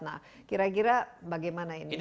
nah kira kira bagaimana ini